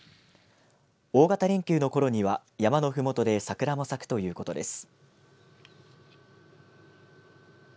大型連休のころには山のふもとで桜も咲くということです。